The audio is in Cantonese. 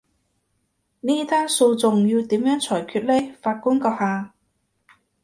呢單訴訟要點樣裁決呢，法官閣下？